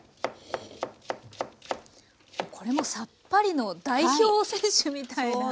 これもさっぱりの代表選手みたいな。